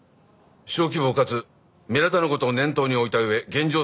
小規模かつ目立たぬ事を念頭に置いた上現状